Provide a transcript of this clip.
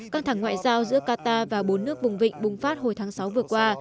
căng thẳng ngoại giao giữa qatar và bốn nước vùng vịnh bùng phát hồi tháng sáu vừa qua